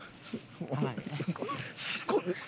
すごい。